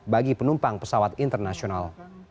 bagi penumpang pesawat internasional